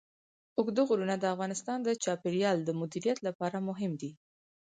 اوږده غرونه د افغانستان د چاپیریال د مدیریت لپاره مهم دي.